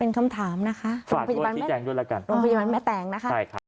เป็นคำถามนะคะโรงพยาบาลแม่แตงดูแล้วกัน